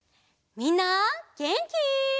みんなげんき？